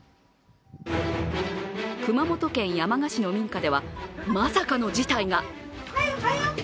熊本県山鹿市の民家ではまさかの事態が。